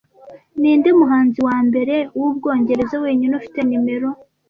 Ninde muhanzi wambere wu Bwongereza wenyine ufite numero